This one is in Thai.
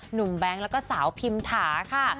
หนุ่มแบงก์และสาวพิมทาค่ะ